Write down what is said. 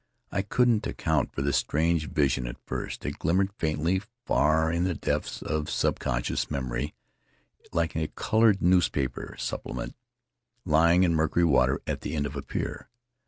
I couldn't account for the strange vision at first. It glimmered faintly, far in the depths of sub conscious memory, like a colored newspaper supple ment, lying in murky water at the end of a pier.